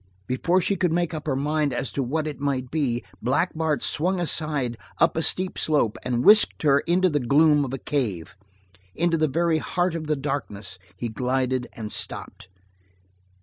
Before she could make up her mind as to what it might be, Black Bart swung aside up a steep slope, and whisked her into the gloom of a cave. Into the very heart of the darkness he glided and stopped.